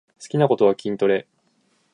好きなことは筋トレ